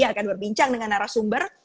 yang akan berbincang dengan narasumber